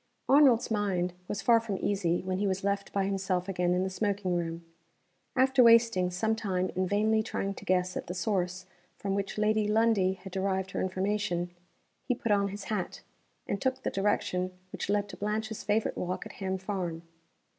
ARNOLD'S mind was far from easy when he was left by himself again in the smoking room. After wasting some time in vainly trying to guess at the source from which Lady Lundie had derived her information, he put on his hat, and took the direction which led to Blanche's favorite walk at Ham Farm.